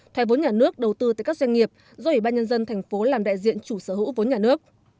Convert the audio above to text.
thoái vốn nhà nước đầu tư tại các doanh nghiệp do ủy ban nhân dân thành phố làm đại diện chủ sở hữu vốn nhà nước